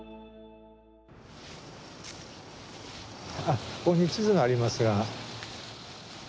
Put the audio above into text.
あっここに地図がありますが。